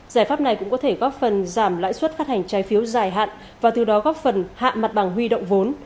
giải pháp này cũng có thể góp phần giảm lãi suất phát hành trái phiếu dài hạn và từ đó góp phần hạ mặt bằng huy động vốn